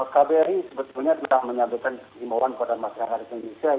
kbri sebetulnya telah menyampaikan imbauan kepada masyarakat indonesia